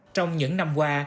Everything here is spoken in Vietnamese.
trong những năm qua